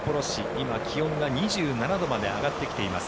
今、気温が２７度まで上がってきています。